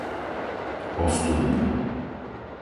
Osturňa